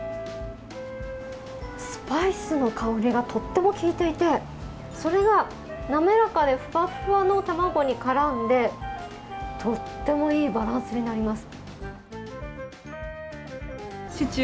スパイスの香りがとても効いていてそれが滑らかでふわふわの卵に絡んでとてもいいバランスになります。